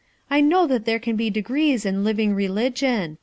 "I know that there can be degrees in living religion.